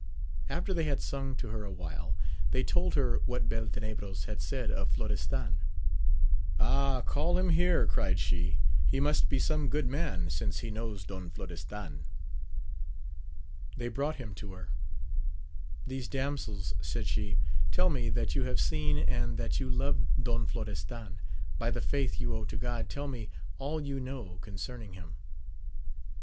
After they had sung to her awhile, they told her what Beltenebros had said of Florestan. Ah, call him here, cried she, he must be some good man, since he knows Don Florestan. They brought him to her. These damsels, said she, tell me that you have seen and that you love Don Florestan : by the faith you owe to God, tell me all you know concerning him.